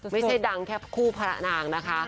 ไม่ใช่ดังแค่คู่พระนางนะคะ